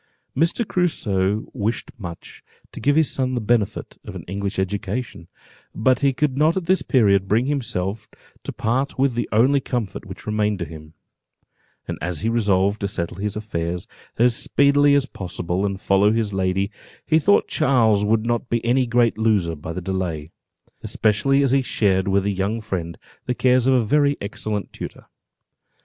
Mr. Crusoe wished much to give his son the benefit of an English education, but he could not at this period bring himself to part with the only comfort which remained to him: and as he resolved to settle his affairs as speedily as possible, and follow his lady, he thought Charles would not be any great loser by the delay, especially as he shared with a young friend the cares of a very excellent tutor.